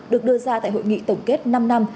được đưa ra tại hội nghị tổng kết năm năm